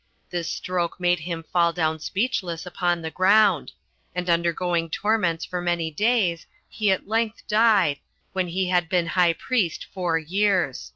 27 This stroke made him fall down speechless upon the ground; and undergoing torments for many days, he at length died, when he had been high priest four years.